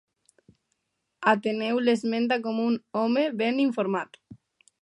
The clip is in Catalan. Ateneu l'esmenta com un home ben informat.